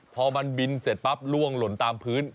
พอมันบินเสร็จปั๊บล่วงหล่นตามพื้น